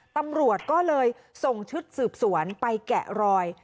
ตำรวจก็เลยส่งชุดสืบสวนไปแกะรอย